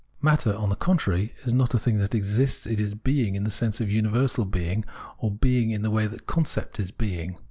Matter, on the contrary, is not a thing that exists, it is being in the sense of universal being, or being in the way the concept is being.